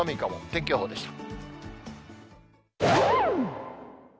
天気予報でした。